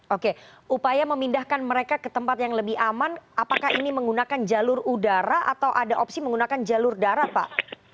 oke upaya memindahkan mereka ke tempat yang lebih aman apakah ini menggunakan jalur udara atau ada opsi menggunakan jalur darat pak